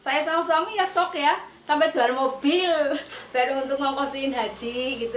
saya sama suami ya sok ya sampai jual mobil beruntung ngokos haji